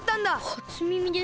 はつみみです。